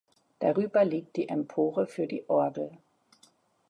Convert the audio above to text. Darüber liegt die Empore für die Orgel.